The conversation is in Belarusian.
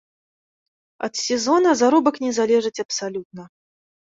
Ад сезона заробак не залежыць абсалютна.